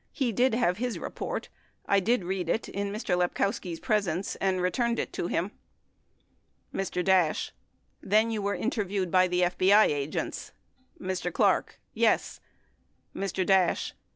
He did have his report. I did read it in Mr. Lepkowski's presence and returned it to him. Mr. Dash. Then were you interviewed by the FBI agents ? Mr. Clark. Yes. Mr. Dash.